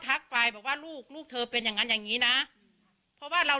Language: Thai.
ไปบอกว่าลูกลูกเธอเป็นอย่างงั้นอย่างงี้นะเพราะว่าเรา